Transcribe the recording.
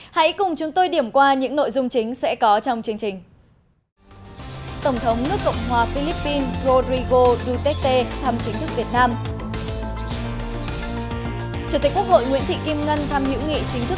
hãy cùng chúng tôi điểm qua những nội dung chính sẽ có trong chương trình